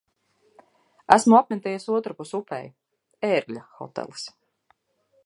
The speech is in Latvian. Esmu apmeties otrpus upei. "Ērgļa hotelis".